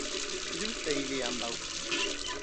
Ĝuste ili ambaŭ!